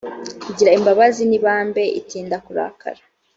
igira imbabazi n ibambe itinda kurakara